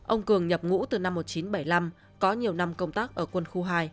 ông cường nhập ngũ từ năm một nghìn chín trăm bảy mươi năm có nhiều năm công tác ở quân khu hai